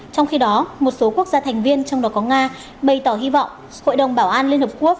trong khi đó một số quốc gia thành viên trong đó có nga bày tỏ hy vọng hội đồng bảo an liên hợp quốc